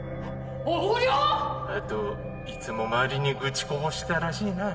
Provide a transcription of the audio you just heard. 「あといつも周りに愚痴こぼしてたらしいな」